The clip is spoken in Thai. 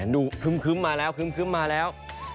ดูคึ้มมาแล้วมาแล้ว